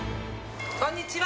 こんにちは！